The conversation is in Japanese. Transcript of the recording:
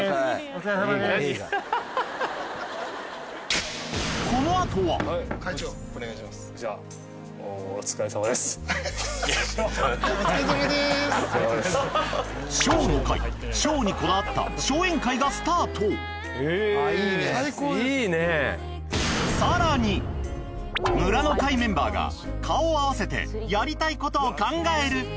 小の会小にこだわった小宴会がスタートえいいね村の会メンバーが顔を合わせてやりたいことを考える